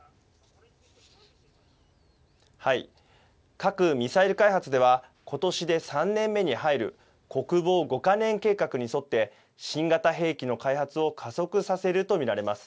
核・ミサイル開発では今年で３年目に入る国防５か年計画に沿って新型兵器の開発を加速させると見られます。